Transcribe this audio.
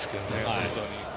本当に。